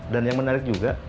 dan yang menarik juga